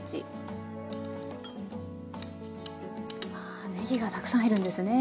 あぁねぎがたくさん入るんですね。